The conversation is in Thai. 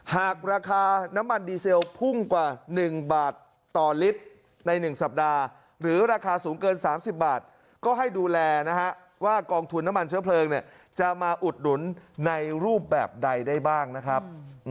หากราคาน้ำมันดีเซลพุ่งกว่า๑บาทต่อลิตรใน๑สัปดาห์หรือราคาสูงเกิน๓๐บาทก็ให้ดูแลนะฮะว่ากองทุนน้ำมันเชื้อเพลิงจะมาอุดหนุนในรูปแบบใดได้บ้างนะครับ